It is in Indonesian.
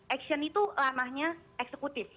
action itu ramahnya eksekutif